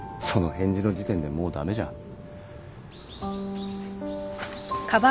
その返事の時点でもう駄目じゃん。